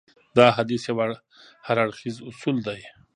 دا حديث يو هراړخيز اصول دی.